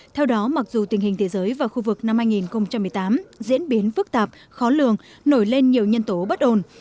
theo đó mặc dù tình hình thế giới và khu vực năm hai nghìn một mươi tám diễn biến phức tạp khó lường nổi lên nhiều nhân tố bất ổn